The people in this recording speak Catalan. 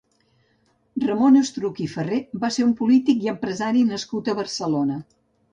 Ramon Estruch i Ferrer va ser un polític i empresari nascut a Barcelona.